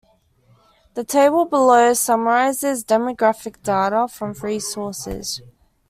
The table below summarizes demographic data from three sources.